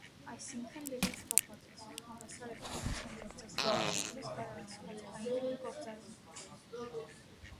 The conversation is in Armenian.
Այսինքն՝ լրիվ զբաղվածությունը հավասար է ֆրիկցիոն գործազրկություն + կառուցվածքային գործազրկություն։